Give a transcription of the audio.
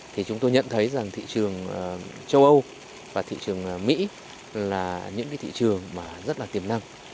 thì chúng tôi nhận thấy rằng thị trường châu âu và thị trường mỹ là những thị trường rất tiềm năng